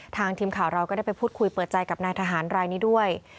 ทีมข่าวเราก็ได้ไปพูดคุยเปิดใจกับนายทหารรายนี้ด้วย